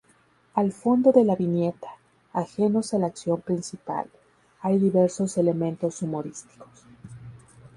Al fondo de la viñeta, ajenos a la acción principal, hay diversos elementos humorísticos.